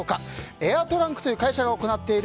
エアトランクという会社が行っている